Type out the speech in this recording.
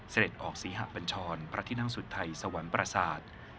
ออกศรีหะบัญชรพระที่นั่งสุทัยสวรรค์ประสาท